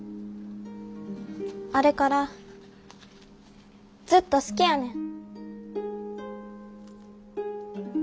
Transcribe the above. あれからずっと好きやねん。